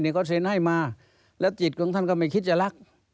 เขาเซ็นให้มาแล้วจิตของท่านก็ไม่คิดจะรัก